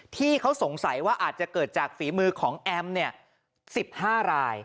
ที่เขาสงสัยว่าอาจจะเกิดจากฝีมือของแอม๑๕ราย